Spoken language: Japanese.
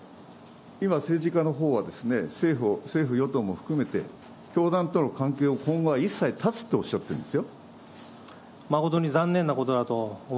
今、政治家のほうは、政府・与党も含めて、教団との関係を今後は一切断つっておっしゃってるんですよ。